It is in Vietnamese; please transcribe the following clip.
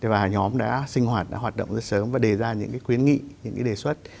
và nhóm đã sinh hoạt đã hoạt động rất sớm và đề ra những khuyến nghị những đề xuất